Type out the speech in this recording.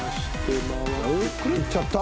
襪叩いっちゃった！